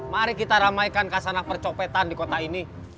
mari kita ramaikan kasanah percopetan di kota ini